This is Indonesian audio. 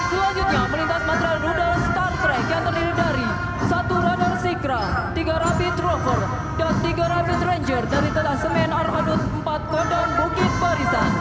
selanjutnya melintas matra rudol star trek yang terdiri dari satu radar sikra tiga rapid rover dan tiga rapid ranger dari tetasemen arhanut empat kodong bukit barisan